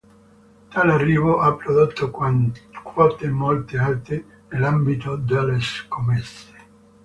Tale arrivo ha prodotto quote molto alte nell'ambito delle scommesse.